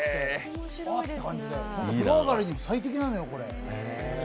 本当、風呂上がりに最適なのよこれ。